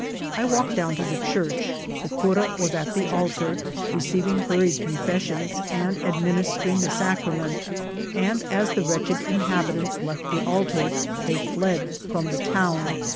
I walked down to the church ; the cura was at the altar, receiving hurried confessions and ad ministering the sacrament ; and as the wretched inhab itants left the altar they fled from the town.